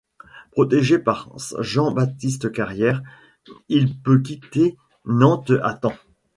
Protégé par Jean-Baptiste Carrier, il peut quitter Nantes à temps.